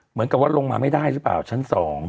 เหมือนกับว่าลงมาไม่ได้หรือเปล่าชั้น๒